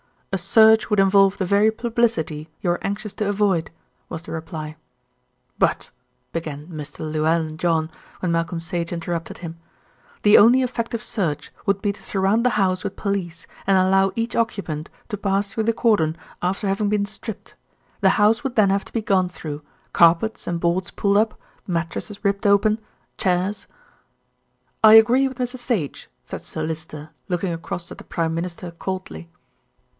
"A search would involve the very publicity you are anxious to avoid," was the reply. "But " began Mr. Llewellyn John, when Malcolm Sage interrupted him. "The only effective search would be to surround the house with police, and allow each occupant to pass through the cordon after having been stripped. The house would then have to be gone through; carpets and boards pulled up; mattresses ripped open; chairs " "I agree with Mr. Sage," said Sir Lyster, looking across at the Prime Minister coldly.